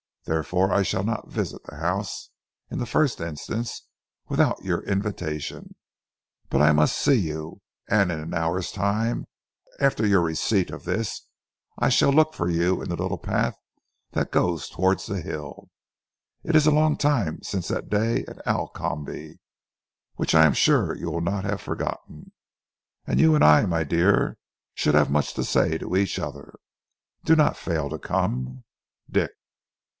Therefore I shall not visit the house, in the first instance, without your invitation, but I must see you, and in an hour's time after your receipt of this I shall look for you in the little path that goes towards the hill. It is a long time since that day at Alcombe, which I am sure you will not have forgotten, and you and I, my dear, should have much to say to each other. Do not fail to come. "Dick...."